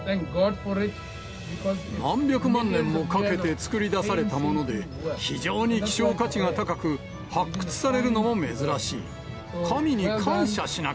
何百万年もかけて作り出されたもので、非常に希少価値が高く、発掘されるのも珍しい。